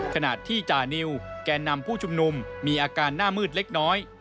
ขณะที่จานิวแก่นำผู้ชุมนุมมีอาการหน้ามืดเล็กน้อย